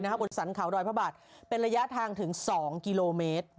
แล้วก็สรรขาวดอยพบาทเป็นระยะทางถึง๒กิโลเมตร